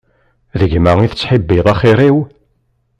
Gma i tettḥibbiḍ axir-iw?